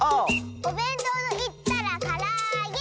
「おべんとうといったらからあげ！」